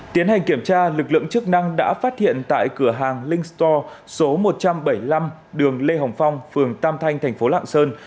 tiến hành kiểm tra lực lượng chức năng đã phát hiện tại cửa hàng link store số một trăm bảy mươi năm đường lê hồng phong phường tam thanh thành phố lạng sơn